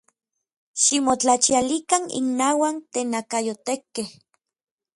¡Ximotlachialikan innauak tenakayotekkej!